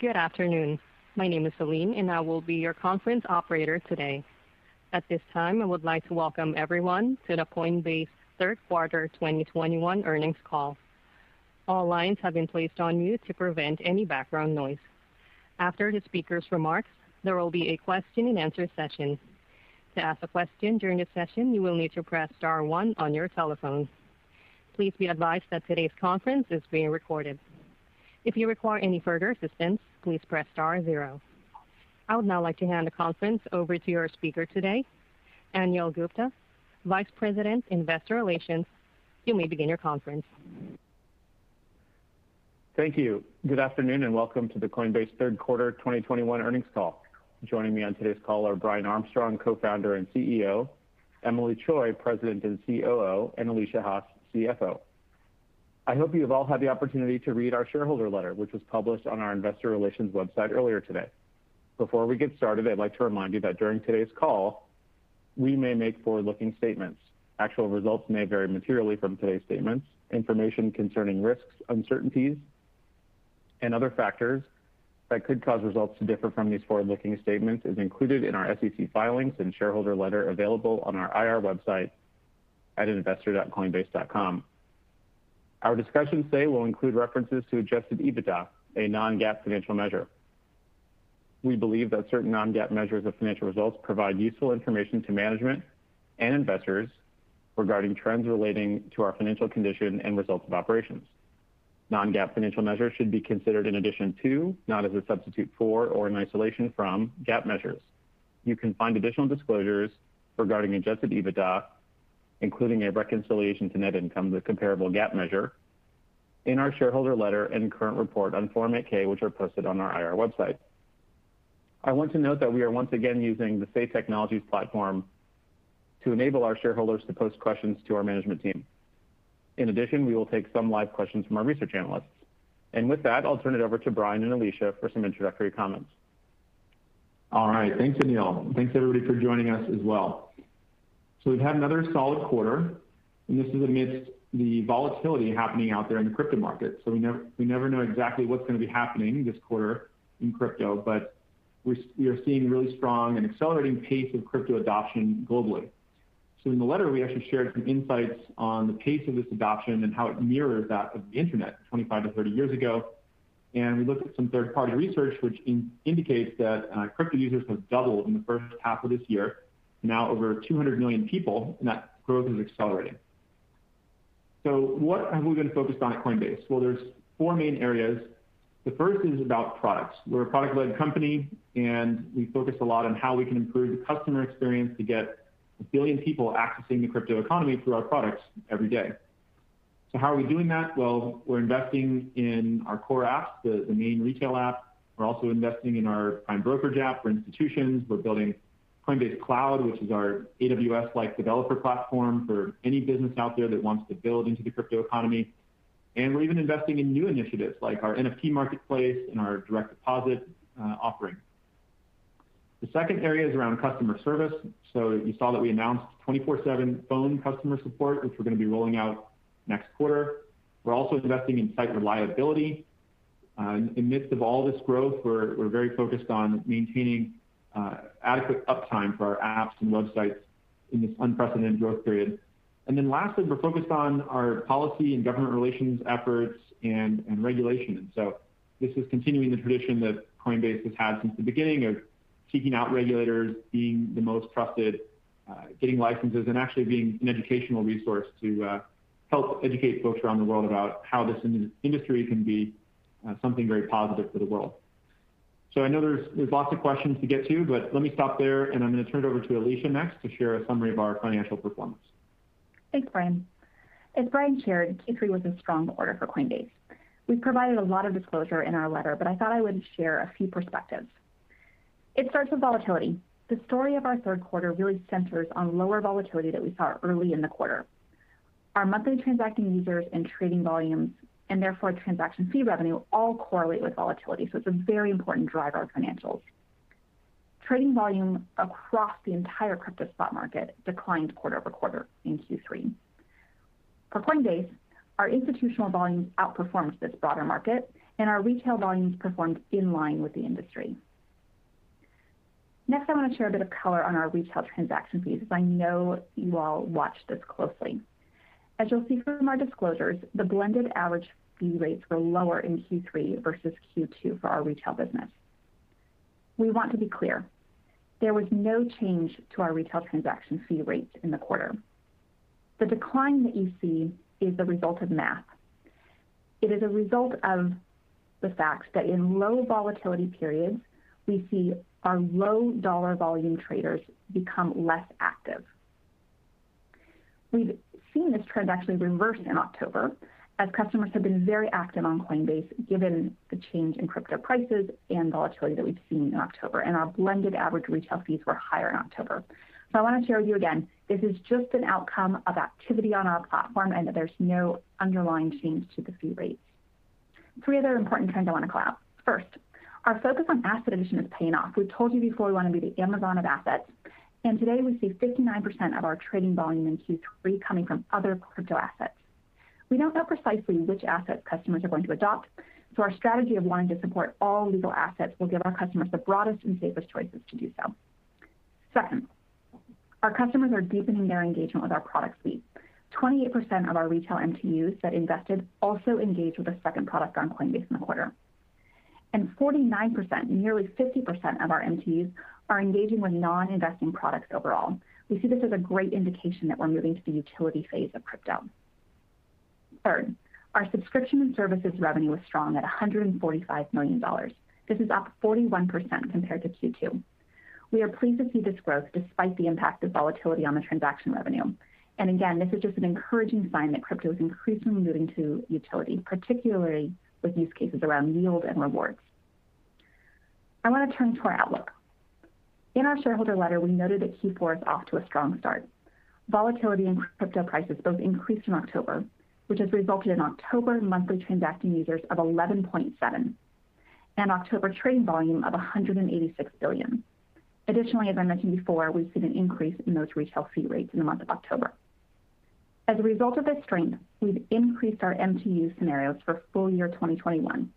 Good afternoon. My name is Celine, and I will be your conference operator today. At this time, I would like to welcome everyone to the Coinbase third quarter 2021 earnings call. All lines have been placed on mute to prevent any background noise. After the speaker's remarks, there will be a question-and-answer session. To ask a question during the session, you will need to press Star one on your telephone. Please be advised that today's conference is being recorded. If you require any further assistance, please press Star zero. I would now like to hand the conference over to your speaker today, Anil Gupta, Vice President, Investor Relations. You may begin your conference. Thank you. Good afternoon, and welcome to the Coinbase third quarter 2021 earnings call. Joining me on today's call are Brian Armstrong, co-founder and CEO, Emilie Choi, President and COO, and Alesia Haas, CFO. I hope you've all had the opportunity to read our shareholder letter, which was published on our investor relations website earlier today. Before we get started, I'd like to remind you that during today's call, we may make forward-looking statements. Actual results may vary materially from today's statements. Information concerning risks, uncertainties, and other factors that could cause results to differ from these forward-looking statements is included in our SEC filings and shareholder letter available on our IR website at investor.coinbase.com. Our discussion today will include references to Adjusted EBITDA, a non-GAAP financial measure. We believe that certain non-GAAP measures of financial results provide useful information to management and investors regarding trends relating to our financial condition and results of operations. Non-GAAP financial measures should be considered in addition to, not as a substitute for or in isolation from, GAAP measures. You can find additional disclosures regarding Adjusted EBITDA, including a reconciliation to net income, the comparable GAAP measure, in our shareholder letter and current report on Form 8-K, which are posted on our IR website. I want to note that we are once again using the Say Technologies platform to enable our shareholders to post questions to our management team. In addition, we will take some live questions from our research analysts. With that, I'll turn it over to Brian and Alesia for some introductory comments. All right. Thanks, Anil. Thanks everybody for joining us as well. We've had another solid quarter, and this is amidst the volatility happening out there in the crypto market. We never know exactly what's gonna be happening this quarter in crypto, but we are seeing really strong and accelerating pace of crypto adoption globally. In the letter, we actually shared some insights on the pace of this adoption and how it mirrors that of the internet 25-30 years ago. We looked at some third-party research which indicates that crypto users have doubled in the first half of this year, now over 200 million people, and that growth is accelerating. What have we been focused on at Coinbase? Well, there's four main areas. The first is about products. We're a product-led company, and we focus a lot on how we can improve the customer experience to get one billion people accessing the crypto economy through our products every day. How are we doing that? Well, we're investing in our core apps, the main retail app. We're also investing in our prime brokerage app for institutions. We're building Coinbase Cloud, which is our AWS-like developer platform for any business out there that wants to build into the crypto economy. We're even investing in new initiatives like our NFT marketplace and our direct deposit offering. The second area is around customer service. You saw that we announced 24/7 phone customer support, which we're gonna be rolling out next quarter. We're also investing in site reliability. In midst of all this growth, we're very focused on maintaining adequate uptime for our apps and websites in this unprecedented growth period. Then lastly, we're focused on our policy and government relations efforts and regulation. This is continuing the tradition that Coinbase has had since the beginning of seeking out regulators, being the most trusted, getting licenses, and actually being an educational resource to help educate folks around the world about how this industry can be something very positive for the world. I know there's lots of questions to get to, but let me stop there, and I'm gonna turn it over to Alesia next to share a summary of our financial performance. Thanks, Brian. As Brian shared, Q3 was a strong quarter for Coinbase. We've provided a lot of disclosure in our letter, but I thought I would share a few perspectives. It starts with volatility. The story of our third quarter really centers on lower volatility that we saw early in the quarter. Our monthly transacting users and trading volumes, and therefore transaction fee revenue, all correlate with volatility, so it's a very important driver of financials. Trading volume across the entire crypto spot market declined quarter-over-quarter in Q3. For Coinbase, our institutional volumes outperformed this broader market, and our retail volumes performed in line with the industry. Next, I want to share a bit of color on our retail transaction fees, as I know you all watch this closely. As you'll see from our disclosures, the blended average fee rates were lower in Q3 versus Q2 for our retail business. We want to be clear, there was no change to our retail transaction fee rates in the quarter. The decline that you see is the result of math. It is a result of the fact that in low volatility periods, we see our low dollar volume traders become less active. We've seen this trend actually reverse in October, as customers have been very active on Coinbase given the change in crypto prices and volatility that we've seen in October, and our blended average retail fees were higher in October. I want to share with you again, this is just an outcome of activity on our platform and that there's no underlying change to the fee rates. Three other important trends I want to call out. First, our focus on asset addition is paying off. We've told you before we want to be the Amazon of assets. Today, we see 59% of our trading volume in Q3 coming from other crypto assets. We don't know precisely which assets customers are going to adopt, so our strategy of wanting to support all legal assets will give our customers the broadest and safest choices to do so. Second, our customers are deepening their engagement with our product suite. 28% of our retail MTUs that invested also engaged with a second product on Coinbase in the quarter. 49%, nearly 50% of our MTUs are engaging with non-investing products overall. We see this as a great indication that we're moving to the utility phase of crypto. Third, our subscription and services revenue was strong at $145 million. This is up 41% compared to Q2. We are pleased to see this growth despite the impact of volatility on the transaction revenue. Again, this is just an encouraging sign that crypto is increasingly moving to utility, particularly with use cases around yield and rewards. I wanna turn to our outlook. In our shareholder letter, we noted that Q4 is off to a strong start. Volatility in crypto prices both increased in October, which has resulted in October monthly transacting users of 11.7, and October trading volume of $186 billion. Additionally, as I mentioned before, we've seen an increase in those retail fee rates in the month of October. As a result of this strength, we've increased our MTU scenarios for full year 2021.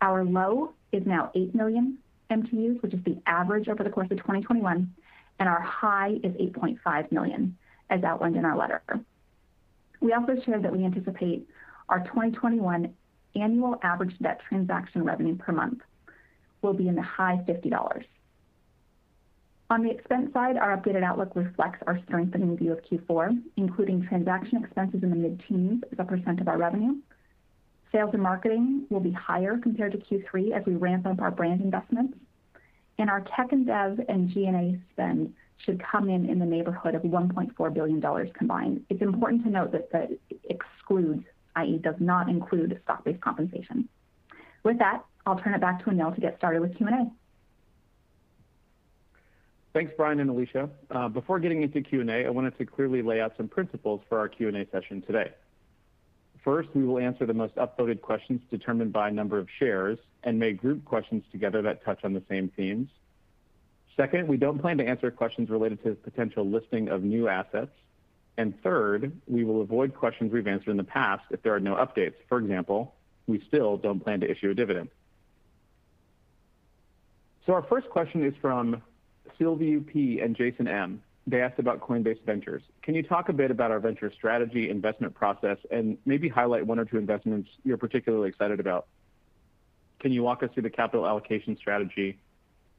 Our low is now eight million MTUs, which is the average over the course of 2021, and our high is 8.5 million, as outlined in our letter. We also shared that we anticipate our 2021 annual average net transaction revenue per month will be in the high $50. On the expense side, our updated outlook reflects our strengthening view of Q4, including transaction expenses in the mid-teens% of our revenue. Sales and marketing will be higher compared to Q3 as we ramp up our brand investments. Our tech and dev and G&A spend should come in the neighborhood of $1.4 billion combined. It's important to note that that excludes, i.e., does not include stock-based compensation. With that, I'll turn it back to Anil to get started with Q&A. Thanks, Brian and Alesia. Before getting into Q&A, I wanted to clearly lay out some principles for our Q&A session today. First, we will answer the most upvoted questions determined by number of shares and may group questions together that touch on the same themes. Second, we don't plan to answer questions related to potential listing of new assets. Third, we will avoid questions we've answered in the past if there are no updates. For example, we still don't plan to issue a dividend. Our first question is from Sylvia P and Jason M. They asked about Coinbase Ventures. Can you talk a bit about our venture strategy, investment process, and maybe highlight one or two investments you're particularly excited about? Can you walk us through the capital allocation strategy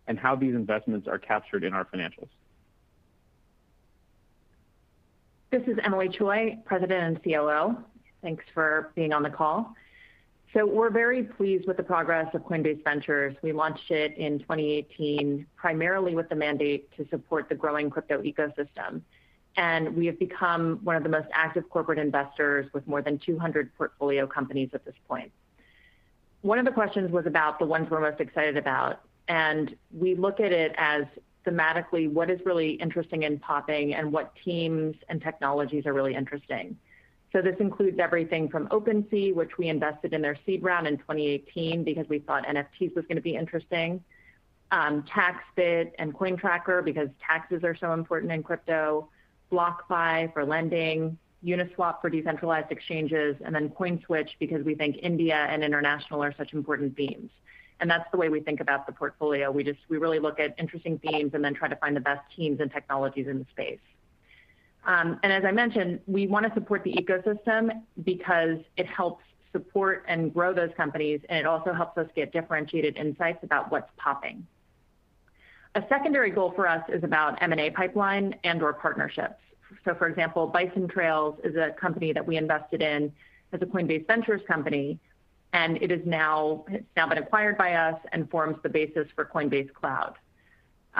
and how these investments are captured in our financials? This is Emilie Choi, President and COO. Thanks for being on the call. We're very pleased with the progress of Coinbase Ventures. We launched it in 2018, primarily with the mandate to support the growing crypto ecosystem. We have become one of the most active corporate investors with more than 200 portfolio companies at this point. One of the questions was about the ones we're most excited about, and we look at it as thematically what is really interesting and popping and what teams and technologies are really interesting. This includes everything from OpenSea, which we invested in their seed round in 2018 because we thought NFTs was gonna be interesting, TaxBit and CoinTracker because taxes are so important in crypto, BlockFi for lending, Uniswap for decentralized exchanges, and then CoinSwitch because we think India and international are such important themes. That's the way we think about the portfolio. We really look at interesting themes and then try to find the best teams and technologies in the space. As I mentioned, we wanna support the ecosystem because it helps support and grow those companies, and it also helps us get differentiated insights about what's popping. A secondary goal for us is about M&A pipeline and/or partnerships. For example, Bison Trails is a company that we invested in as a Coinbase Ventures company, and it's now been acquired by us and forms the basis for Coinbase Cloud.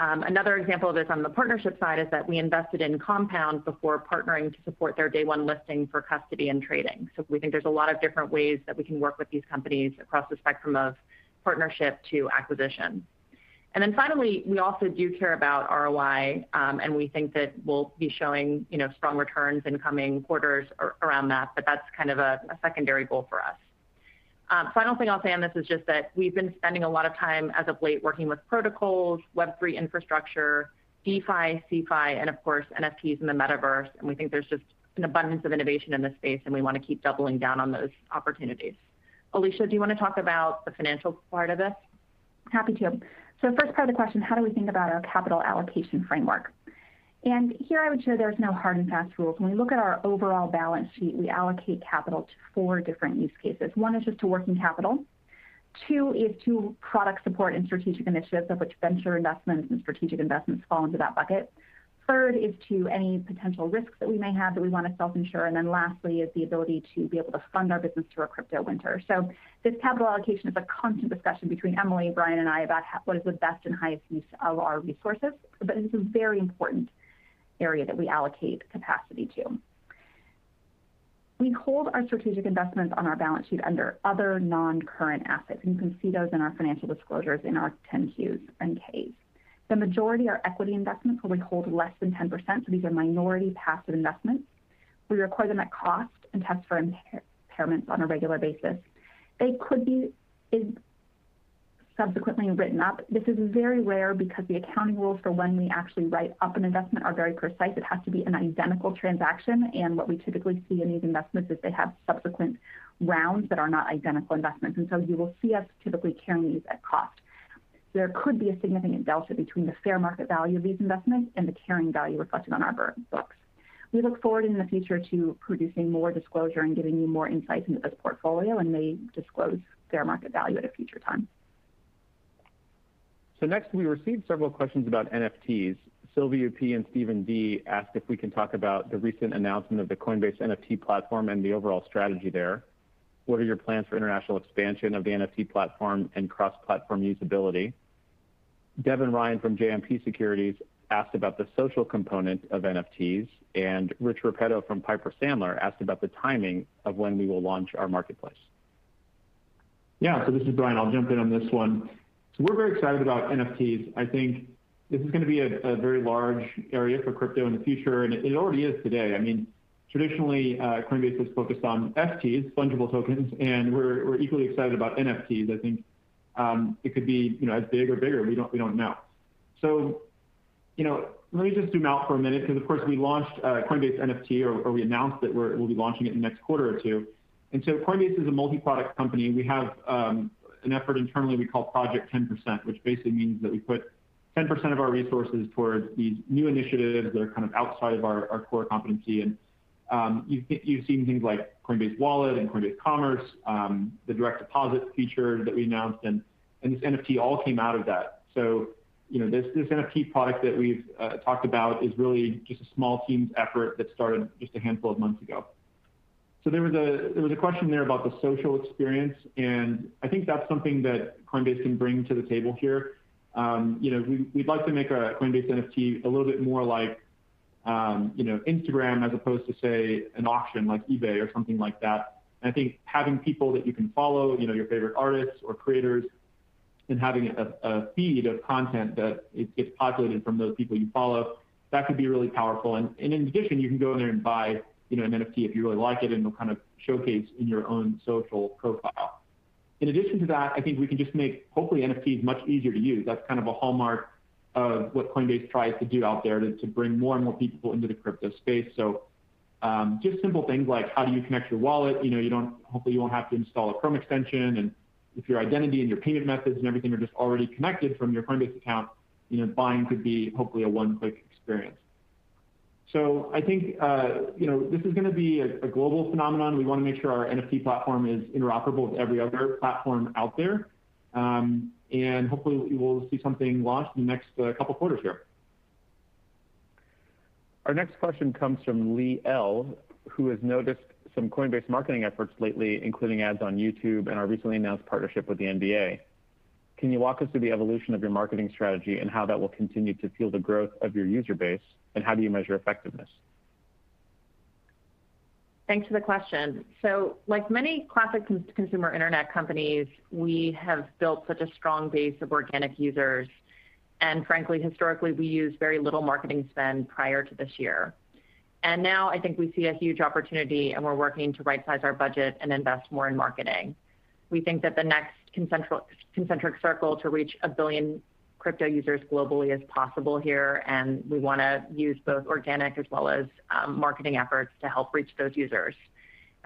Another example of this on the partnership side is that we invested in Compound before partnering to support their day one listing for custody and trading. We think there's a lot of different ways that we can work with these companies across the spectrum of partnership to acquisition. Then finally, we also do care about ROI, and we think that we'll be showing, you know, strong returns in coming quarters around that, but that's kind of a secondary goal for us. Final thing I'll say on this is just that we've been spending a lot of time as of late working with protocols, Web3 infrastructure, DeFi, CeFi, and of course, NFTs in the metaverse, and we think there's just an abundance of innovation in this space, and we wanna keep doubling down on those opportunities. Alesia, do you wanna talk about the financial part of this? Happy to. First part of the question, how do we think about our capital allocation framework? Here I would share there's no hard and fast rules. When we look at our overall balance sheet, we allocate capital to four different use cases. One is just to working capital. Two is to product support and strategic initiatives, of which venture investments and strategic investments fall into that bucket. Third is to any potential risks that we may have that we wanna self-insure. Lastly is the ability to be able to fund our business through a crypto winter. This capital allocation is a constant discussion between Emilie, Brian, and I about what is the best and highest use of our resources. It's a very important area that we allocate capacity to. We hold our strategic investments on our balance sheet under other non-current assets, and you can see those in our financial disclosures in our 10-Qs and 8-Ks. The majority are equity investments where we hold less than 10%, so these are minority passive investments. We record them at cost and test for impairments on a regular basis. They could be subsequently written up. This is very rare because the accounting rules for when we actually write up an investment are very precise. It has to be an identical transaction, and what we typically see in these investments is they have subsequent rounds that are not identical investments. You will see us typically carrying these at cost. There could be a significant delta between the fair market value of these investments and the carrying value reflected on our books. We look forward in the future to producing more disclosure and giving you more insight into this portfolio, and may disclose fair market value at a future time. Next, we received several questions about NFTs. Sylvia P and Steven D asked if we can talk about the recent announcement of the Coinbase NFT platform and the overall strategy there. What are your plans for international expansion of the NFT platform and cross-platform usability? Devin Ryan from JMP Securities asked about the social component of NFTs, and Rich Repetto from Piper Sandler asked about the timing of when we will launch our marketplace. Yeah. This is Brian. I'll jump in on this one. We're very excited about NFTs. I think this is gonna be a very large area for crypto in the future, and it already is today. I mean, traditionally, Coinbase was focused on FTs, fungible tokens, and we're equally excited about NFTs. I think it could be, you know, as big or bigger. We don't know. You know, let me just zoom out for a minute because, of course, we launched Coinbase NFT, or we announced that we'll be launching it in the next quarter or two. Coinbase is a multi-product company. We have an effort internally we call Project Ten Percent, which basically means that we put 10% of our resources towards these new initiatives that are kind of outside of our core competency. You've seen things like Coinbase Wallet and Coinbase Commerce, the direct deposit feature that we announced, and this NFT all came out of that. You know, this NFT product that we've talked about is really just a small team's effort that started just a handful of months ago. There was a question there about the social experience, and I think that's something that Coinbase can bring to the table here. You know, we'd like to make our Coinbase NFT a little bit more like, you know, Instagram as opposed to, say, an auction like eBay or something like that. I think having people that you can follow, you know, your favorite artists or creators, and having a feed of content that it gets populated from those people you follow, that could be really powerful. In addition, you can go in there and buy, you know, an NFT if you really like it, and it'll kind of showcase in your own social profile. In addition to that, I think we can just make, hopefully, NFTs much easier to use. That's kind of a hallmark of what Coinbase tries to do out there, to bring more and more people into the crypto space. Just simple things like how do you connect your wallet. You know, hopefully you won't have to install a Chrome extension, and if your identity and your payment methods and everything are just already connected from your Coinbase account, you know, buying could be hopefully a one-click experience. I think, you know, this is gonna be a global phenomenon. We wanna make sure our NFT platform is interoperable with every other platform out there. Hopefully we will see something launched in the next couple quarters here. Our next question comes from Lee L, who has noticed some Coinbase marketing efforts lately, including ads on YouTube and our recently announced partnership with the NBA. Can you walk us through the evolution of your marketing strategy and how that will continue to fuel the growth of your user base, and how do you measure effectiveness? Thanks for the question. Like many classic consumer internet companies, we have built such a strong base of organic users, and frankly, historically, we used very little marketing spend prior to this year. Now I think we see a huge opportunity, and we're working to right-size our budget and invest more in marketing. We think that the next concentric circle to reach a billion crypto users globally is possible here, and we wanna use both organic as well as marketing efforts to help reach those users.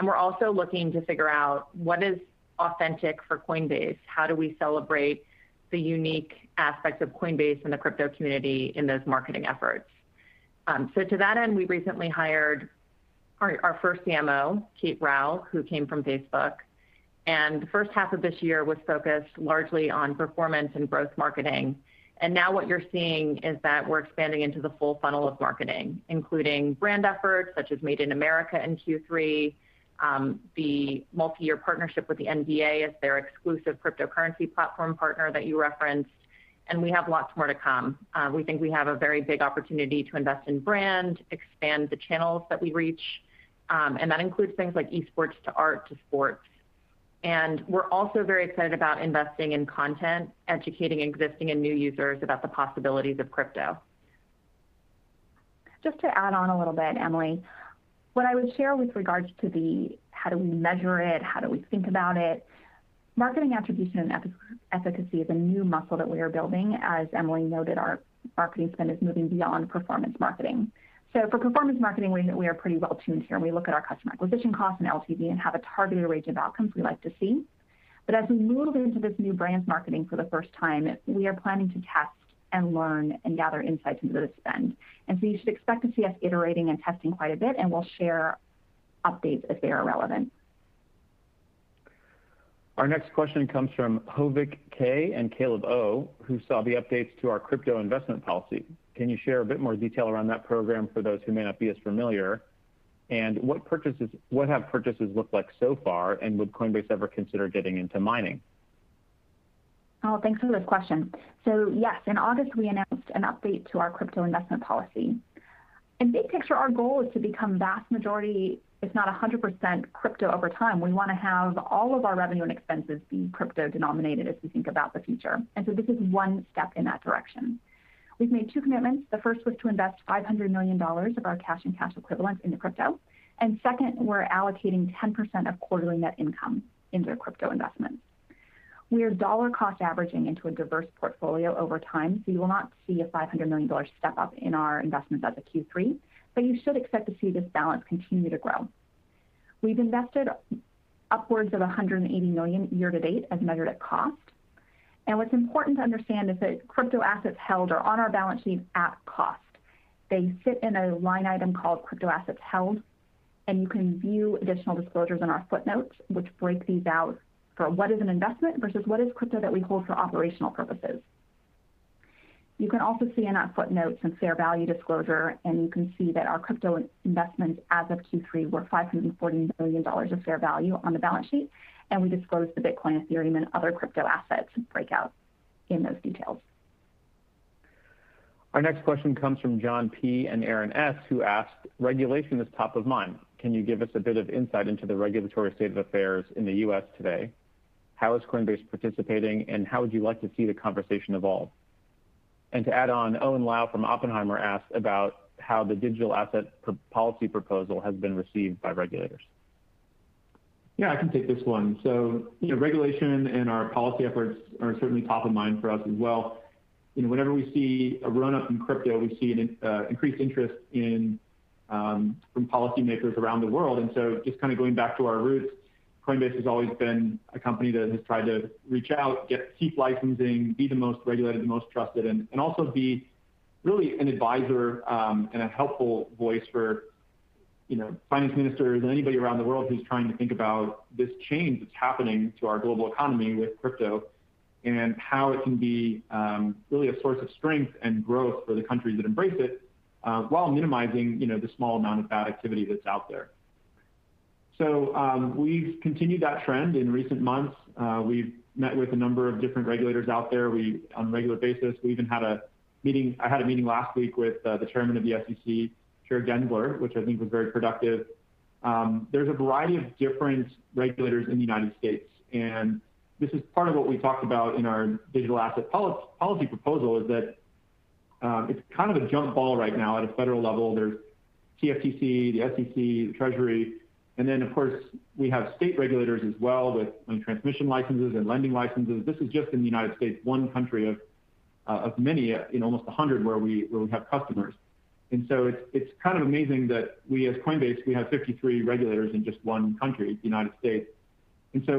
We're also looking to figure out what is authentic for Coinbase, how do we celebrate the unique aspects of Coinbase and the crypto community in those marketing efforts. To that end, we recently hired our first CMO, Kate Rouch, who came from Facebook. The first half of this year was focused largely on performance and growth marketing. Now what you're seeing is that we're expanding into the full funnel of marketing, including brand efforts, such as Made in America in Q3, the multi-year partnership with the NBA as their exclusive cryptocurrency platform partner that you referenced, and we have lots more to come. We think we have a very big opportunity to invest in brand, expand the channels that we reach, and that includes things like esports to art to sports. We're also very excited about investing in content, educating existing and new users about the possibilities of crypto. Just to add on a little bit, Emily, what I would share with regards to how do we measure it, how do we think about it, marketing attribution and efficacy is a new muscle that we are building. As Emily noted, our marketing spend is moving beyond performance marketing. For performance marketing, we are pretty well-tuned here, and we look at our customer acquisition costs and LTV and have a targeted range of outcomes we like to see. As we move into this new brand marketing for the first time, we are planning to test and learn and gather insights into the spend. You should expect to see us iterating and testing quite a bit, and we'll share updates as they are relevant. Our next question comes from Hovik K and Caleb O, who saw the updates to our crypto investment policy. Can you share a bit more detail around that program for those who may not be as familiar? What have purchases looked like so far, and would Coinbase ever consider getting into mining? Thanks for this question. Yes, in August, we announced an update to our crypto investment policy. In big picture, our goal is to become vast majority, if not a hundred percent crypto over time. We wanna have all of our revenue and expenses be crypto denominated as we think about the future. This is one step in that direction. We've made two commitments. The first was to invest $500 million of our cash and cash equivalents into crypto. Second, we're allocating 10% of quarterly net income into crypto investments. We are dollar cost averaging into a diverse portfolio over time, so you will not see a $500 million step up in our investments as of Q3, but you should expect to see this balance continue to grow. We've invested upwards of $180 million year-to-date as measured at cost. What's important to understand is that crypto assets held are on our balance sheet at cost. They sit in a line item called crypto assets held, and you can view additional disclosures in our footnotes, which break these out for what is an investment versus what is crypto that we hold for operational purposes. You can also see in our footnotes some fair value disclosure, and you can see that our crypto investments as of Q3 were $540 million of fair value on the balance sheet, and we disclosed the Bitcoin, Ethereum, and other crypto assets breakout in those details. Our next question comes from John P. and Aaron S, who asked, "Regulation is top of mind. Can you give us a bit of insight into the regulatory state of affairs in the U.S. today? How is Coinbase participating, and how would you like to see the conversation evolve?" To add on, Owen Lau from Oppenheimer asked about how the digital asset policy proposal has been received by regulators. Yeah, I can take this one. You know, regulation and our policy efforts are certainly top of mind for us as well. You know, whenever we see a run-up in crypto, we see an increased interest from policymakers around the world. Just kind of going back to our roots, Coinbase has always been a company that has tried to reach out, keep licensing, be the most regulated, the most trusted, and also be really an advisor and a helpful voice for, you know, finance ministers and anybody around the world who's trying to think about this change that's happening to our global economy with crypto and how it can be really a source of strength and growth for the countries that embrace it while minimizing, you know, the small amount of bad activity that's out there. We've continued that trend in recent months. We've met with a number of different regulators out there on a regular basis. We even had a meeting. I had a meeting last week with the chairman of the SEC, Chair Gensler, which I think was very productive. There's a variety of different regulators in the United States, and this is part of what we talked about in our Digital Asset Policy Proposal is that it's kind of a jungle right now at a federal level. There's CFTC, the SEC, the Treasury, and then of course, we have state regulators as well with transmission licenses and lending licenses. This is just in the United States, one country of many, in almost a hundred where we have customers. It's kind of amazing that we as Coinbase, we have 53 regulators in just one country, the United States.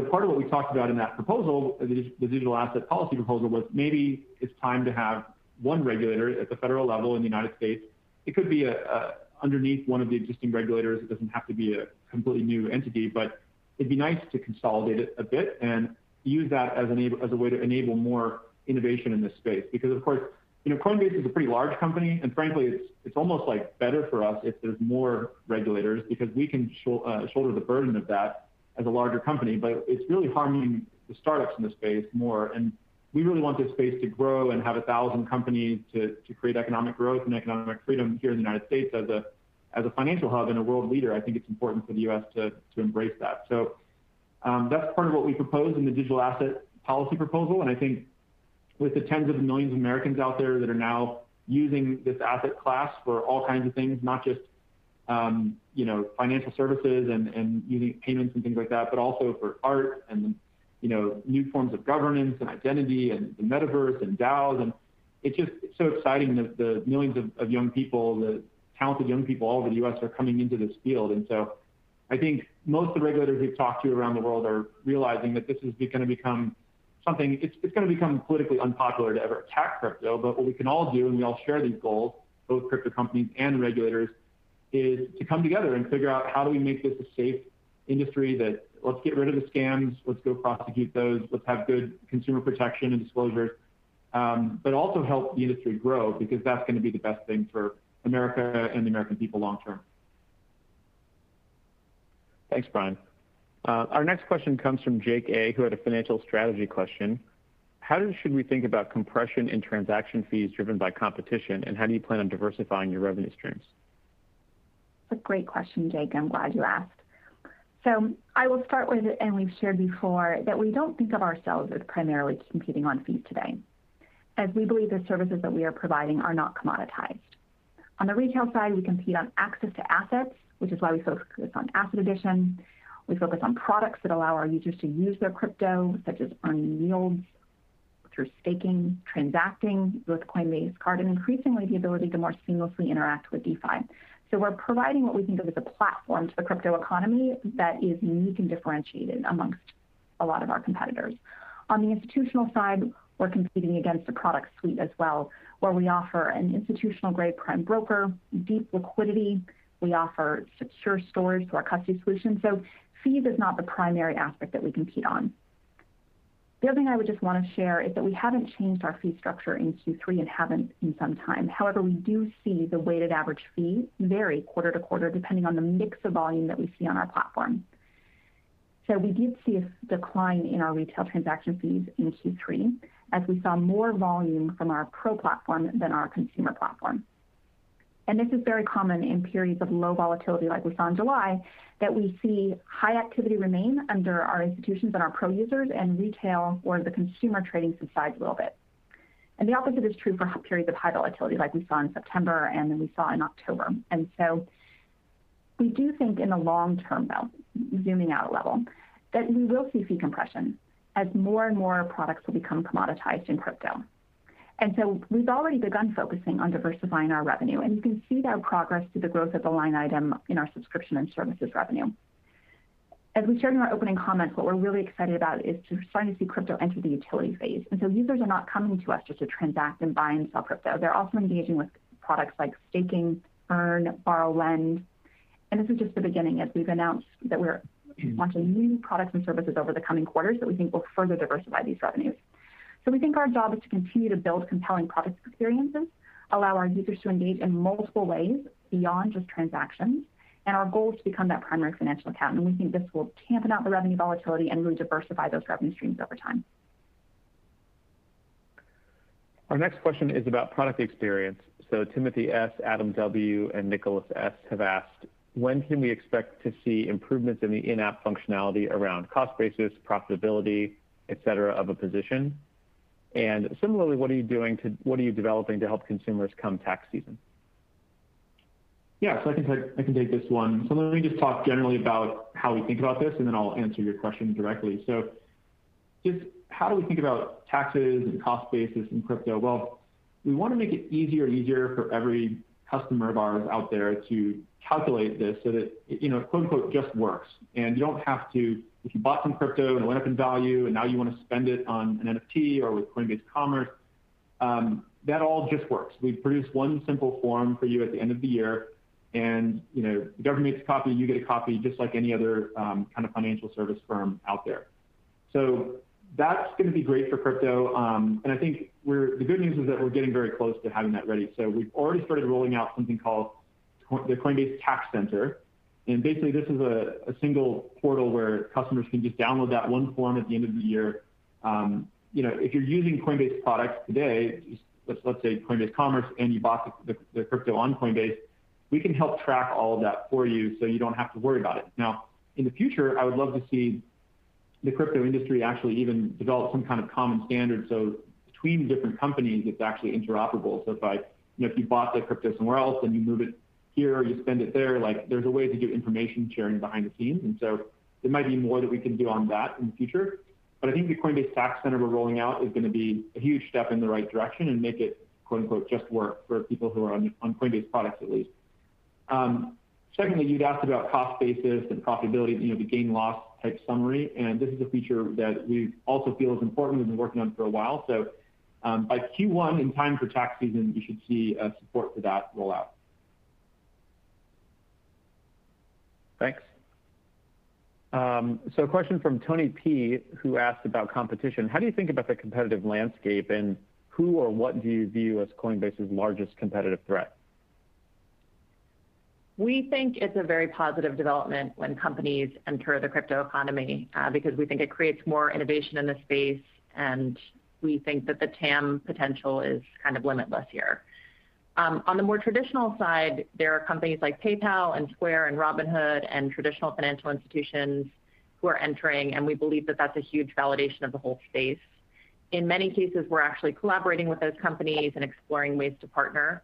Part of what we talked about in that proposal, the Digital Asset Policy Proposal, was maybe it's time to have one regulator at the federal level in the United States. It could be underneath one of the existing regulators. It doesn't have to be a completely new entity, but it'd be nice to consolidate it a bit and use that as a way to enable more innovation in this space. Because of course, you know, Coinbase is a pretty large company, and frankly, it's almost like better for us if there's more regulators because we can shoulder the burden of that as a larger company. It's really harming the startups in the space more, and we really want this space to grow and have 1,000 companies to create economic growth and economic freedom here in the United States as a financial hub and a world leader. I think it's important for the U.S. to embrace that. That's part of what we propose in the Digital Asset Policy Proposal, and I think with the tens of millions of Americans out there that are now using this asset class for all kinds of things, not just, you know, financial services and unique payments and things like that, but also for art and, you know, new forms of governance and identity and metaverse and DAO. It's just so exciting that the millions of young people, the talented young people all over the U.S. are coming into this field. I think most of the regulators we've talked to around the world are realizing that this is gonna become something. It's gonna become politically unpopular to ever attack crypto. What we can all do, and we all share these goals, both crypto companies and regulators, is to come together and figure out how do we make this a safe industry that let's get rid of the scams, let's go prosecute those, let's have good consumer protection and disclosure, but also help the industry grow because that's gonna be the best thing for America and the American people long term. Thanks, Brian. Our next question comes from Jake A., who had a financial strategy question. How should we think about compression in transaction fees driven by competition, and how do you plan on diversifying your revenue streams? That's a great question, Jake. I'm glad you asked. I will start with, and we've shared before, that we don't think of ourselves as primarily competing on fees today, as we believe the services that we are providing are not commoditized. On the retail side, we compete on access to assets, which is why we focus on asset addition. We focus on products that allow our users to use their crypto, such as earning yields through staking, transacting with Coinbase Card, and increasingly the ability to more seamlessly interact with DeFi. We're providing what we think of as a platform to the crypto economy that is unique and differentiated among a lot of our competitors. On the institutional side, we're competing against a product suite as well, where we offer an institutional-grade prime broker, deep liquidity. We offer secure storage through our custody solution. Fees is not the primary aspect that we compete on. The other thing I would just want to share is that we haven't changed our fee structure in Q3 and haven't in some time. However, we do see the weighted average fee vary quarter to quarter, depending on the mix of volume that we see on our platform. We did see a decline in our retail transaction fees in Q3, as we saw more volume from our pro platform than our consumer platform. This is very common in periods of low volatility, like we saw in July, that we see high activity remain under our institutions and our pro users and retail or the consumer trading subsides a little bit. The opposite is true for periods of high volatility like we saw in September and then we saw in October. We do think in the long term, though, zooming out a level, that we will see fee compression as more and more products will become commoditized in crypto. We've already begun focusing on diversifying our revenue, and you can see that progress through the growth of the line item in our subscription and services revenue. As we shared in our opening comments, what we're really excited about is starting to see crypto enter the utility phase. Users are not coming to us just to transact and buy and sell crypto. They're also engaging with products like staking, earn, borrow, lend. This is just the beginning as we've announced that we're launching new products and services over the coming quarters that we think will further diversify these revenues. We think our job is to continue to build compelling product experiences, allow our users to engage in multiple ways beyond just transactions. Our goal is to become that primary financial account, and we think this will dampen out the revenue volatility and really diversify those revenue streams over time. Our next question is about product experience. Timothy S, Adam W, and Nicholas S have asked, when can we expect to see improvements in the in-app functionality around cost basis, profitability, et cetera, of a position? And similarly, what are you developing to help consumers come tax season? Yeah. I can take this one. Let me just talk generally about how we think about this, and then I'll answer your question directly. Just how do we think about taxes and cost basis in crypto? Well, we wanna make it easier and easier for every customer of ours out there to calculate this so that, you know, quote-unquote, "just works." You don't have to. If you bought some crypto and it went up in value, and now you wanna spend it on an NFT or with Coinbase Commerce, that all just works. We produce one simple form for you at the end of the year, and, you know, the government gets a copy, you get a copy, just like any other kind of financial service firm out there. That's gonna be great for crypto. I think the good news is that we're getting very close to having that ready. We've already started rolling out something called the Coinbase Tax Center. Basically, this is a single portal where customers can just download that one form at the end of the year. You know, if you're using Coinbase products today, let's say Coinbase Commerce, and you bought the crypto on Coinbase, we can help track all of that for you so you don't have to worry about it. Now, in the future, I would love to see the crypto industry actually even develop some kind of common standard, so between different companies, it's actually interoperable. If you bought the crypto somewhere else, and you move it here or you spend it there, like, there's a way to do information sharing behind the scenes. There might be more that we can do on that in the future. I think the Coinbase Tax Center we're rolling out is gonna be a huge step in the right direction and make it, quote-unquote, "just work" for people who are on Coinbase products at least. Secondly, you'd asked about cost basis and profitability, you know, the gain/loss type summary, and this is a feature that we also feel is important and we've been working on for a while. By Q1, in time for tax season, you should see support for that roll out. Thanks. A question from Tony P, who asked about competition. How do you think about the competitive landscape, and who or what do you view as Coinbase's largest competitive threat? We think it's a very positive development when companies enter the crypto economy, because we think it creates more innovation in the space, and we think that the TAM potential is kind of limitless here. On the more traditional side, there are companies like PayPal and Square and Robinhood and traditional financial institutions who are entering, and we believe that that's a huge validation of the whole space. In many cases, we're actually collaborating with those companies and exploring ways to partner.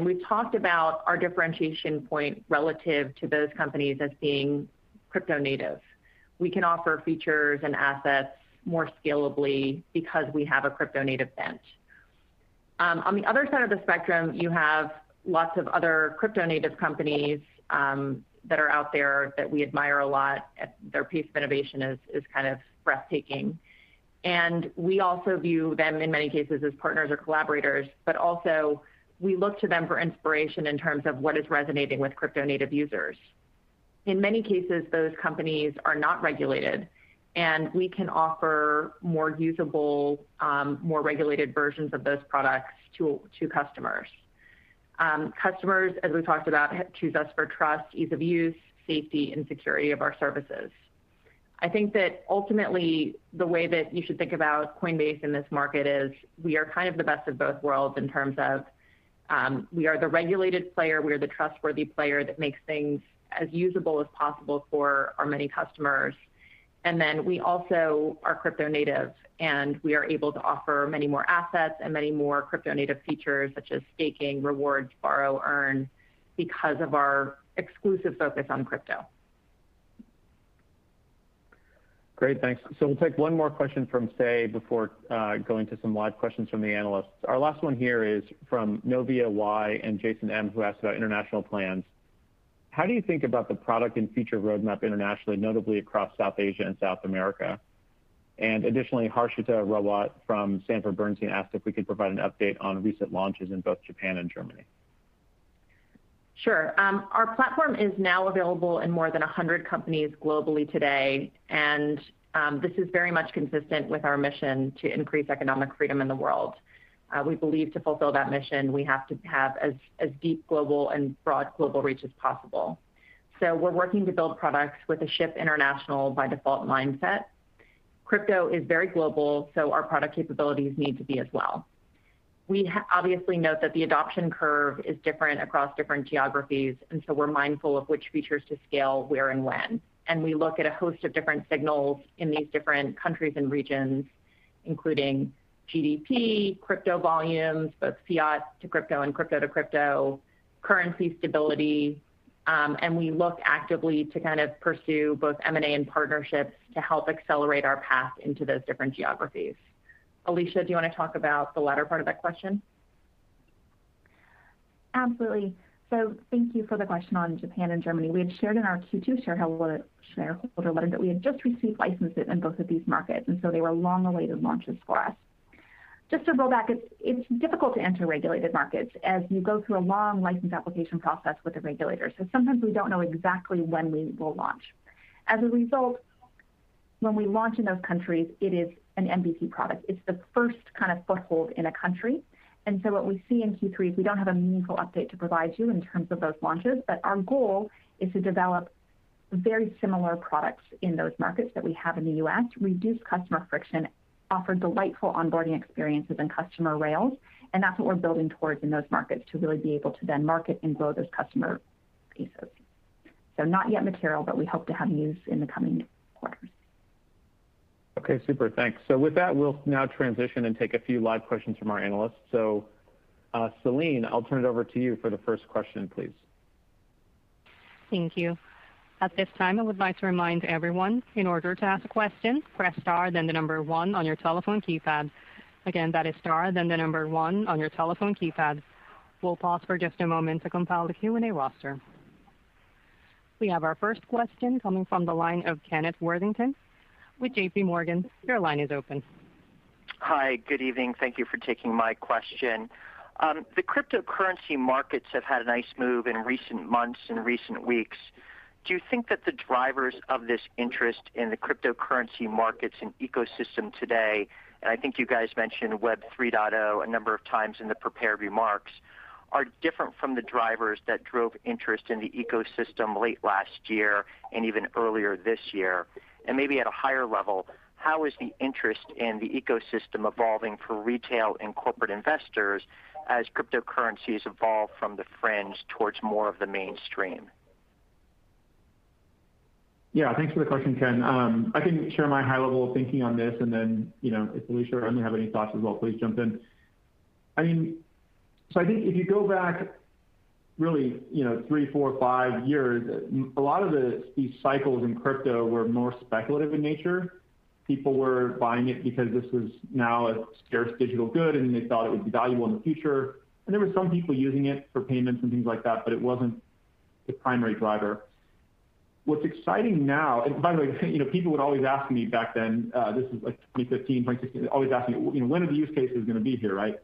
We've talked about our differentiation point relative to those companies as being crypto native. We can offer features and assets more scalably because we have a crypto native bench. On the other side of the spectrum, you have lots of other crypto native companies, that are out there that we admire a lot. Their pace of innovation is kind of breathtaking. We also view them, in many cases, as partners or collaborators, but also we look to them for inspiration in terms of what is resonating with crypto native users. In many cases, those companies are not regulated, and we can offer more usable, more regulated versions of those products to customers. Customers, as we've talked about, choose us for trust, ease of use, safety, and security of our services. I think that ultimately, the way that you should think about Coinbase in this market is we are kind of the best of both worlds in terms of, we are the regulated player, we are the trustworthy player that makes things as usable as possible for our many customers, and then we also are crypto native, and we are able to offer many more assets and many more crypto native features such as staking, rewards, borrow, earn because of our exclusive focus on crypto. Great. Thanks. We'll take one more question from Say before going to some live questions from the analysts. Our last one here is from Novia Y and Jason M, who asked about international plans. How do you think about the product and future roadmap internationally, notably across South Asia and South America? And additionally, Harshita Rawat from Sanford C. Bernstein asked if we could provide an update on recent launches in both Japan and Germany. Sure. Our platform is now available in more than 100 countries globally today, and this is very much consistent with our mission to increase economic freedom in the world. We believe to fulfill that mission, we have to have as deep global and broad global reach as possible. We're working to build products with a ship international by default mindset. Crypto is very global, so our product capabilities need to be as well. We obviously note that the adoption curve is different across different geographies, and we're mindful of which features to scale where and when, and we look at a host of different signals in these different countries and regions. Including GDP, crypto volumes, both fiat to crypto and crypto to crypto, currency stability, and we look actively to kind of pursue both M&A and partnerships to help accelerate our path into those different geographies. Alesia, do you wanna talk about the latter part of that question? Absolutely. Thank you for the question on Japan and Germany. We had shared in our Q2 shareholder letter that we had just received licenses in both of these markets, and they were long-awaited launches for us. Just to go back, it's difficult to enter regulated markets as you go through a long license application process with the regulators. Sometimes we don't know exactly when we will launch. As a result, when we launch in those countries, it is an MVP product. It's the first kind of foothold in a country. What we see in Q3 is we don't have a meaningful update to provide you in terms of those launches, but our goal is to develop very similar products in those markets that we have in the U.S. to reduce customer friction, offer delightful onboarding experiences and customer rails, and that's what we're building towards in those markets to really be able to then market and grow those customer pieces. Not yet material, but we hope to have news in the coming quarters. Okay, super. Thanks. With that, we'll now transition and take a few live questions from our analysts. Celine, I'll turn it over to you for the first question, please. Thank you. At this time, I would like to remind everyone, in order to ask a question, press Star then the number one on your telephone keypad. Again, that is Star then the number one on your telephone keypad. We'll pause for just a moment to compile the Q&A roster. We have our first question coming from the line of Kenneth Worthington with JPMorgan. Your line is open. Hi. Good evening. Thank you for taking my question. The cryptocurrency markets have had a nice move in recent months, in recent weeks. Do you think that the drivers of this interest in the cryptocurrency markets and ecosystem today, and I think you guys mentioned Web3 a number of times in the prepared remarks, are different from the drivers that drove interest in the ecosystem late last year and even earlier this year? Maybe at a higher level, how is the interest in the ecosystem evolving for retail and corporate investors as cryptocurrencies evolve from the fringe towards more of the mainstream? Yeah. Thanks for the question, Ken. I can share my high-level thinking on this, and then, you know, if Alesia or Emilie have any thoughts as well, please jump in. I mean, I think if you go back really, you know, three, four, five years, a lot of these cycles in crypto were more speculative in nature. People were buying it because this was now a scarce digital good, and they thought it would be valuable in the future. There were some people using it for payments and things like that, but it wasn't the primary driver. What's exciting now. By the way, you know, people would always ask me back then, this is like 2015, 2016, always asking me, "Well, you know, when are the use cases gonna be here," right?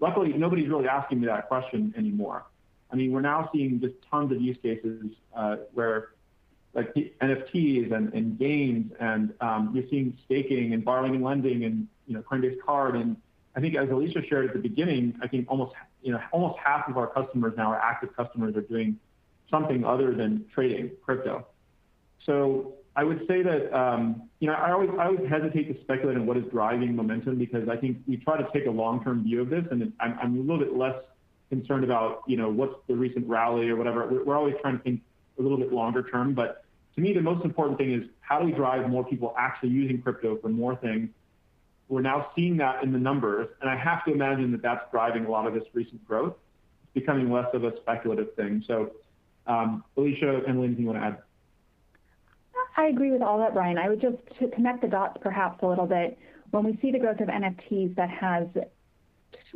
Luckily, nobody's really asking me that question anymore. I mean, we're now seeing just tons of use cases, where like the NFTs and gains and, you're seeing staking and borrowing and lending and, you know, Coinbase Card. I think as Alesia shared at the beginning, I think almost half of our active customers now are doing something other than trading crypto. I would say that, you know, I always hesitate to speculate on what is driving momentum because I think we try to take a long-term view of this, and I'm a little bit less concerned about, you know, what's the recent rally or whatever. We're always trying to think a little bit longer term. To me, the most important thing is how do we drive more people actually using crypto for more things? We're now seeing that in the numbers, and I have to imagine that that's driving a lot of this recent growth, becoming less of a speculative thing. Alesia, Emilie, anything you wanna add? I agree with all that, Brian. I would just to connect the dots perhaps a little bit. When we see the growth of NFTs that has,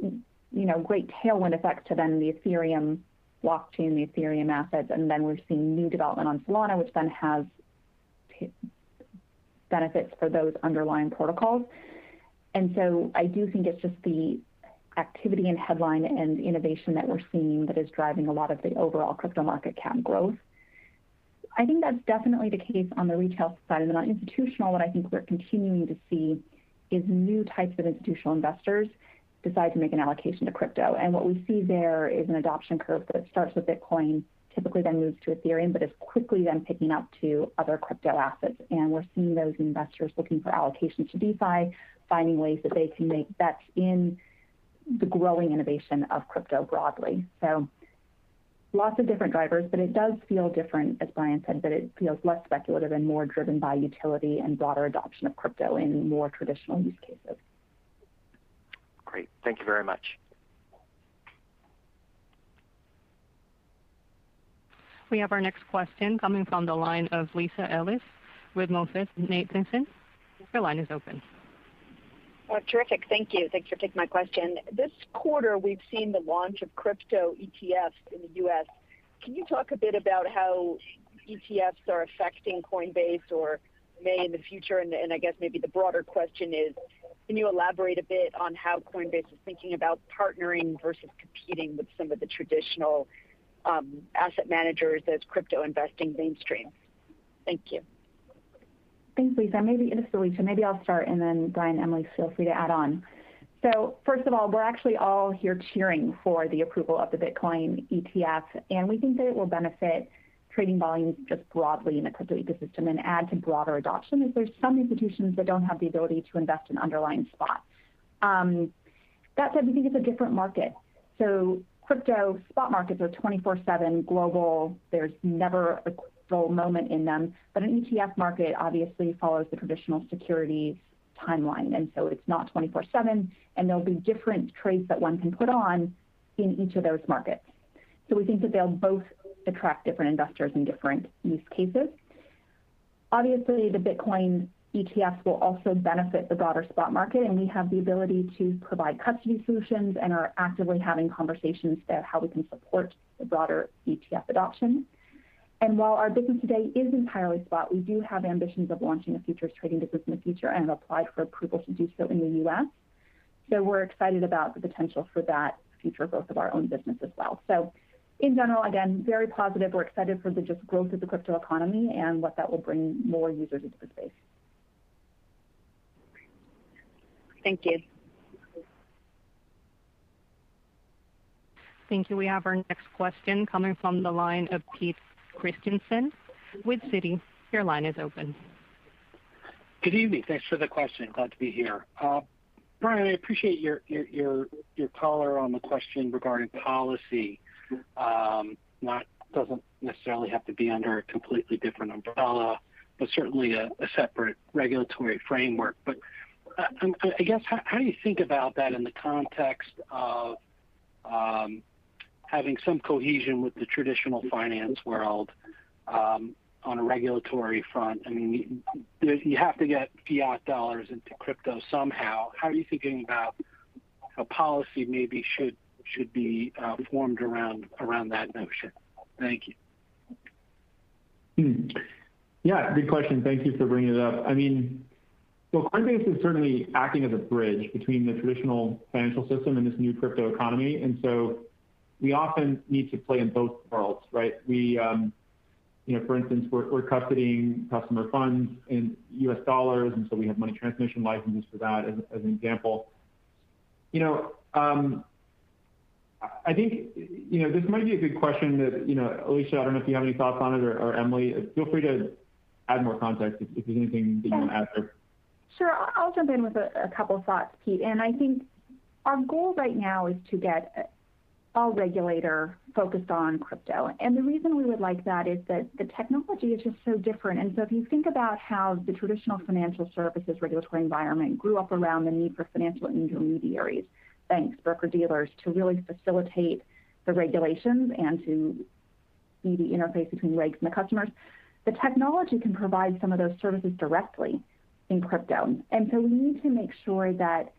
you know, great tailwind effect to then the Ethereum blockchain, the Ethereum assets, and then we're seeing new development on Solana, which then has benefits for those underlying protocols. I do think it's just the activity and headline and innovation that we're seeing that is driving a lot of the overall crypto market cap growth. I think that's definitely the case on the retail side. On institutional, what I think we're continuing to see is new types of institutional investors decide to make an allocation to crypto. What we see there is an adoption curve that starts with Bitcoin, typically then moves to Ethereum, but is quickly then picking up to other crypto assets. We're seeing those investors looking for allocation to DeFi, finding ways that they can make bets in the growing innovation of crypto broadly. Lots of different drivers, but it does feel different, as Brian said, but it feels less speculative and more driven by utility and broader adoption of crypto in more traditional use cases. Great. Thank you very much. We have our next question coming from the line of Lisa Ellis with MoffettNathanson. Your line is open. Oh, terrific. Thank you. Thanks for taking my question. This quarter, we've seen the launch of crypto ETF in the U.S. Can you talk a bit about how ETFs are affecting Coinbase or may in the future? And I guess maybe the broader question is, can you elaborate a bit on how Coinbase is thinking about partnering versus competing with some of the traditional, asset managers as crypto investing mainstream? Thank you. Thanks, Lisa. Lisa, maybe I'll start, and then Brian, Emily, feel free to add on. First of all, we're actually all here cheering for the approval of the Bitcoin ETF, and we think that it will benefit trading volumes just broadly in the crypto ecosystem and add to broader adoption, as there's some institutions that don't have the ability to invest in underlying spot. That said, we think it's a different market. Crypto spot markets are 24/7 global. There's never a moment in them. An ETF market obviously follows the traditional security timeline, and so it's not 24/7, and there'll be different trades that one can put on in each of those markets. We think that they'll both attract different investors in different use cases. Obviously, the Bitcoin ETFs will also benefit the broader spot market, and we have the ability to provide custody solutions and are actively having conversations about how we can support the broader ETF adoption. While our business today is entirely spot, we do have ambitions of launching a futures trading business in the future and have applied for approval to do so in the U.S. We're excited about the potential for that future growth of our own business as well. In general, again, very positive. We're excited for the just growth of the crypto economy and what that will bring more users into the space. Thank you. Thank you. We have our next question coming from the line of Peter Christiansen with Citi. Your line is open. Good evening. Thanks for the question. Glad to be here. Brian, I appreciate your color on the question regarding policy. Doesn't necessarily have to be under a completely different umbrella, but certainly a separate regulatory framework. I guess, how do you think about that in the context of having some cohesion with the traditional finance world on a regulatory front? I mean, you have to get fiat dollars into crypto somehow. How are you thinking about how policy maybe should be formed around that notion? Thank you. Yeah, good question. Thank you for bringing it up. I mean, Coinbase is certainly acting as a bridge between the traditional financial system and this new crypto economy. We often need to play in both worlds, right? We, you know, for instance, we're custodying customer funds in U.S. dollars, and so we have money transmission licenses for that, as an example. You know, I think this might be a good question that, you know, Alesia, I don't know if you have any thoughts on it or Emily, feel free to add more context if there's anything that you want to add there. Sure. I'll jump in with a couple thoughts, Pete. I think our goal right now is to get all regulators focused on crypto. The reason we would like that is that the technology is just so different. If you think about how the traditional financial services regulatory environment grew up around the need for financial intermediaries, banks, broker-dealers, to really facilitate the regulations and to be the interface between regs and the customers, the technology can provide some of those services directly in crypto. We need to make sure that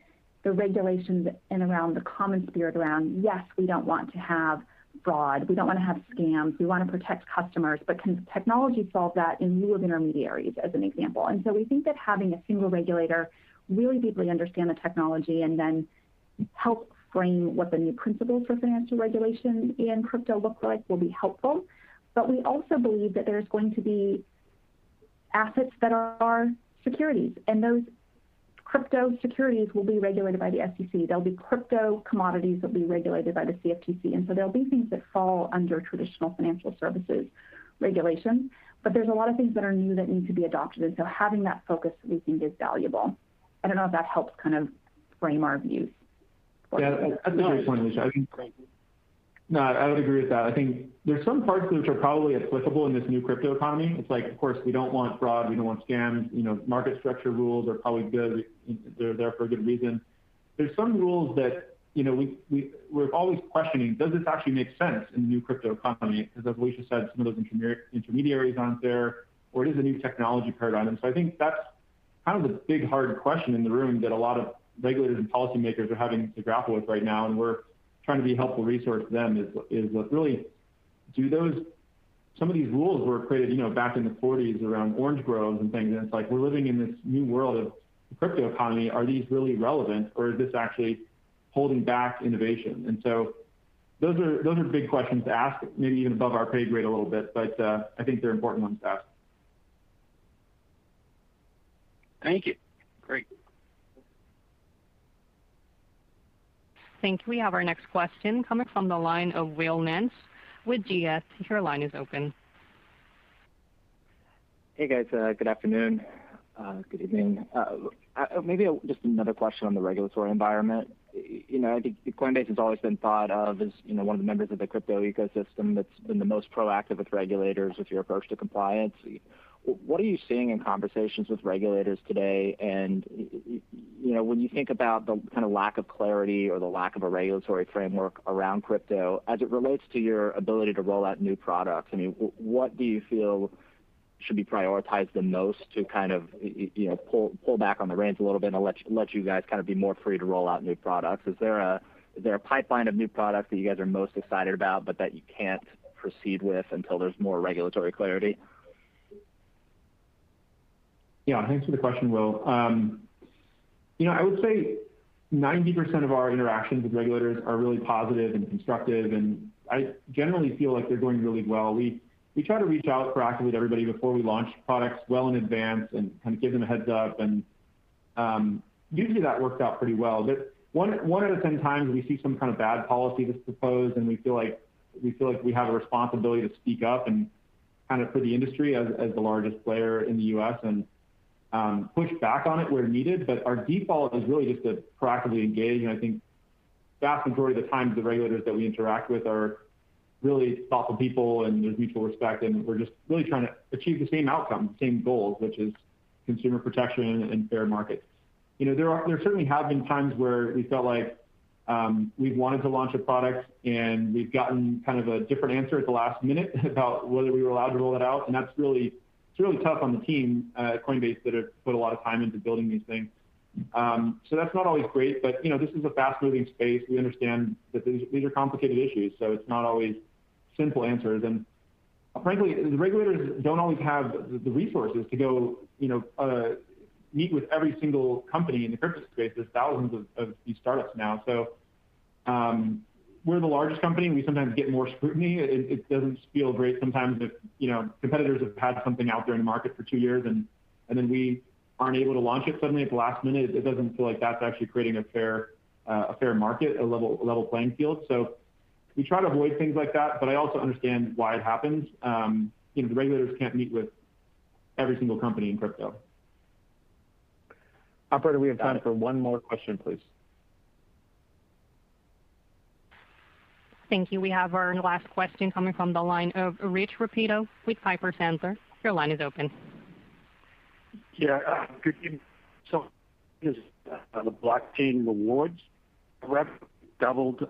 the regulations are around the common spirit around, yes, we don't want to have fraud, we don't want to have scams, we want to protect customers, but can technology solve that in lieu of intermediaries, as an example. We think that having a single regulator really deeply understand the technology and then help frame what the new principles for financial regulation in crypto look like will be helpful. We also believe that there's going to be assets that are securities, and those crypto securities will be regulated by the SEC. There'll be crypto commodities that will be regulated by the CFTC. There'll be things that fall under traditional financial services regulation. There's a lot of things that are new that need to be adopted, and so having that focus, we think, is valuable. I don't know if that helps kind of frame our views. Yeah, that's a great point, Alesia. I think. Thank you. No, I would agree with that. I think there's some parts which are probably applicable in this new crypto economy. It's like, of course, we don't want fraud, we don't want scams. You know, market structure rules are probably good. They're there for a good reason. There's some rules that, you know, we're always questioning, does this actually make sense in the new crypto economy? Because as Alesia said, some of those intermediaries aren't there or it is a new technology paradigm. So I think that's kind of the big, hard question in the room that a lot of regulators and policymakers are having to grapple with right now, and we're trying to be a helpful resource to them, is what really do those. Some of these rules were created, you know, back in the '40s around orange groves and things, and it's like we're living in this new world of crypto economy. Are these really relevant or is this actually holding back innovation? Those are big questions to ask, maybe even above our pay grade a little bit, but I think they're important ones to ask. Thank you. Great. Thank you. We have our next question coming from the line of Will Nance with GS. Your line is open. Hey, guys. Good afternoon. Good evening. Maybe just another question on the regulatory environment. You know, I think Coinbase has always been thought of as, you know, one of the members of the crypto ecosystem that's been the most proactive with regulators with your approach to compliance. What are you seeing in conversations with regulators today? You know, when you think about the kind of lack of clarity or the lack of a regulatory framework around crypto as it relates to your ability to roll out new products, I mean, what do you feel should be prioritized the most to kind of, you know, pull back on the reins a little bit and let you guys kind of be more free to roll out new products? Is there a pipeline of new products that you guys are most excited about but that you can't proceed with until there's more regulatory clarity? Yeah. Thanks for the question, Will. You know, I would say 90% of our interactions with regulators are really positive and constructive, and I generally feel like they're going really well. We try to reach out proactively to everybody before we launch products well in advance and kind of give them a heads up, and usually that works out pretty well. One of the 10 times we see some kind of bad policy that's proposed and we feel like we have a responsibility to speak up and kind of for the industry as the largest player in the U.S., and push back on it where needed. Our default is really just to proactively engage. I think vast majority of the times, the regulators that we interact with are really thoughtful people, and there's mutual respect, and we're just really trying to achieve the same outcome, same goals, which is consumer protection and fair markets. You know, there certainly have been times where we felt like we've wanted to launch a product, and we've gotten kind of a different answer at the last minute about whether we were allowed to roll it out. That's really, it's really tough on the team at Coinbase that have put a lot of time into building these things. That's not always great, but you know, this is a fast-moving space. We understand that these are complicated issues, so it's not always simple answers. Frankly, the regulators don't always have the resources to go, you know, meet with every single company in the crypto space. There's thousands of these startups now. We're the largest company, and we sometimes get more scrutiny. It doesn't feel great sometimes if, you know, competitors have had something out there in the market for two years and then we aren't able to launch it suddenly at the last minute. It doesn't feel like that's actually creating a fair market, a level playing field. We try to avoid things like that, but I also understand why it happens. You know, the regulators can't meet with every single company in crypto. Operator, we have time for one more question, please. Thank you. We have our last question coming from the line of Rich Repetto with Piper Sandler. Your line is open. [Yeah. Good evening. This is on the blockchain rewards. Revenue doubled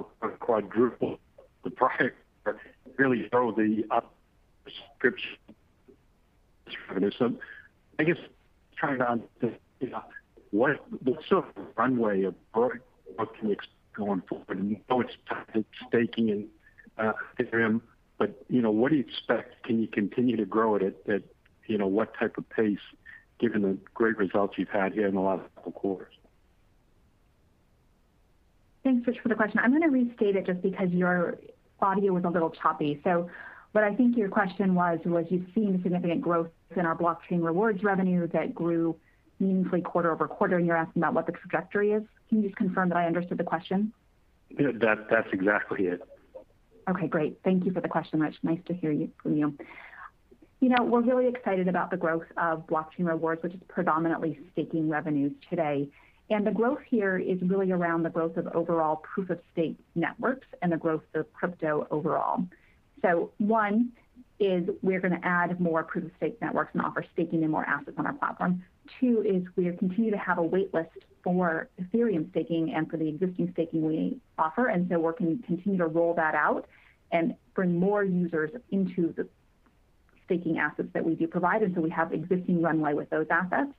this or quadrupled the product, but really grow the subscription. I guess trying to understand, you know, what's the runway of growth? What can we expect going forward? We know it's staking in Ethereum, but, you know, what do you expect? Can you continue to grow it at, you know, what type of pace given the great results you've had here in the last couple quarters?] Thanks, Rich, for the question. I'm gonna restate it just because your audio was a little choppy. What I think your question was you've seen significant growth in our blockchain rewards revenue that grew meaningfully quarter-over-quarter, and you're asking about what the trajectory is. Can you just confirm that I understood the question? Yeah, that's exactly it. Okay, great. Thank you for the question, Rich. Nice to hear from you. You know, we're really excited about the growth of blockchain rewards, which is predominantly staking revenues today. The growth here is really around the growth of overall proof of stake networks and the growth of crypto overall. One is we're gonna add more proof of stake networks and offer staking in more assets on our platform. Two is we continue to have a wait list for Ethereum staking and for the existing staking we offer, and so we're continue to roll that out and bring more users into the staking assets that we do provide, and so we have existing runway with those assets.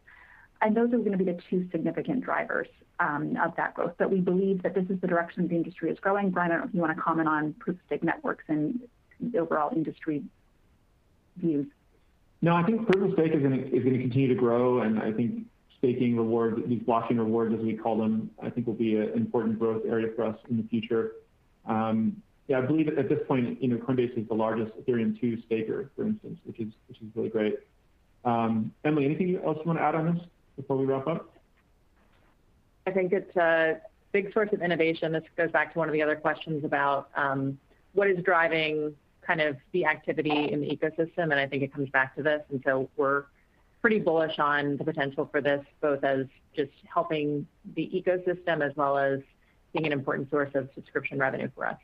Those are gonna be the two significant drivers of that growth. We believe that this is the direction the industry is growing. Brian, I don't know if you wanna comment on proof of stake networks and overall industry views. No, I think proof of stake is gonna continue to grow, and I think staking rewards, these blockchain rewards as we call them, I think will be an important growth area for us in the future. Yeah, I believe at this point, you know, Coinbase is the largest Ethereum 2.0 staker, for instance, which is really great. Emily, anything else you wanna add on this before we wrap up? I think it's a big source of innovation. This goes back to one of the other questions about what is driving kind of the activity in the ecosystem, and I think it comes back to this. We're pretty bullish on the potential for this, both as just helping the ecosystem as well as being an important source of subscription revenue for us.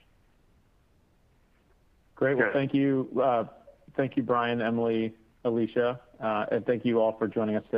Great. Well, thank you Brian, Emilie, Alesia, and thank you all for joining us today.